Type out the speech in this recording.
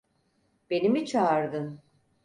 Beni mi çağırdın?